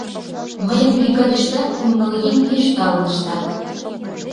Мыйын бригадыштат кум-ныл еҥ пеш талын ыштат.